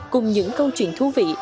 cùng những câu chuyện thú vị